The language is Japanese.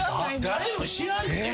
誰も知らんって。